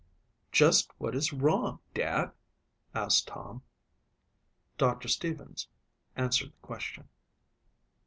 "Just what is wrong, Dad?" asked Tom. Doctor Stevens answered the question.